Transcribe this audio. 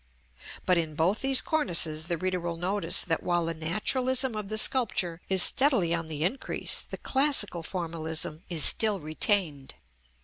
But in both these cornices the reader will notice that while the naturalism of the sculpture is steadily on the increase, the classical formalism is still retained.